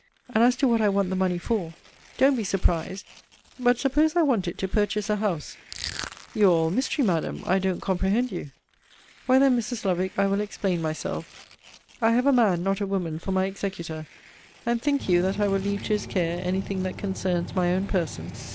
And as to what I want the money for don't be surprised: But suppose I want it to purchase a house? You are all mystery, Madam. I don't comprehend you. Why, then, Mrs. Lovick, I will explain myself. I have a man, not a woman, for my executor: and think you that I will leave to his care any thing that concerns my own person?